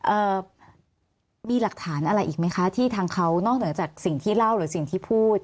เอ่อมีหลักฐานอะไรอีกไหมคะที่ทางเขานอกเหนือจากสิ่งที่เล่าหรือสิ่งที่พูด